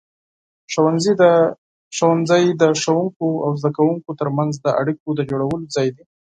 ښوونځی د ښوونکو او زده کوونکو ترمنځ د اړیکو د جوړولو ځای دی.